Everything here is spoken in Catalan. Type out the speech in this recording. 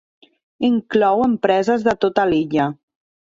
Inclou empreses de tota l'illa.